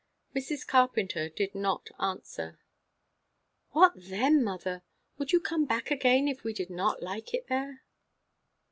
Mrs. Carpenter did not answer. "What then, mother? Would you come back again, if we did not like it there?"